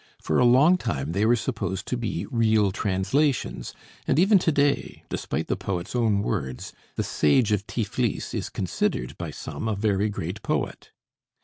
For a long time they were supposed to be real translations; and even to day, despite the poet's own words, the "Sage of Tiflis" is considered by some a very great poet.